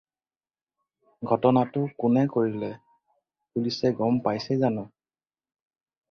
ঘটনাটো কোনে কৰিলে পুলিচে গম পাইছে জানো?